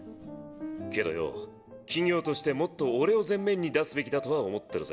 けどよ企業としてもっと俺を前面に出すべきだとは思ってるぜ。